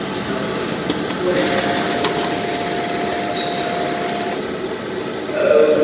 Tell me, what is the crime with which M. Fouquet is charged?" "Oh!